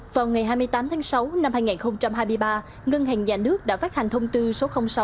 vào ngày hai mươi tám tháng sáu năm hai nghìn hai mươi ba ngân hàng nhà nước đã phát hành thông tư số sáu